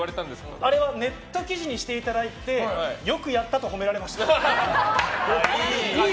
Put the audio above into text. あれはネット記事にしていただいてよくやったと褒められました。